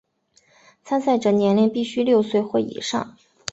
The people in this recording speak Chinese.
参赛者年龄必须六岁或以上。